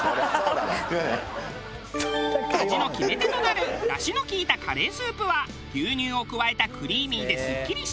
味の決め手となる出汁の利いたカレースープは牛乳を加えたクリーミーですっきり